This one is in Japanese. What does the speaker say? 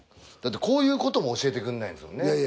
だってこういうことも教えてくんないんですよね。